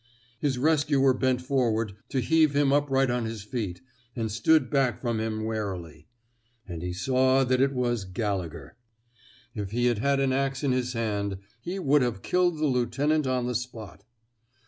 His rescuer bent forward to heave him upright on his feet, and stood back from him warily. And he saw that it was Gallegher. If he had had an ax in his hand, he would have killed the lieutenant on the spot.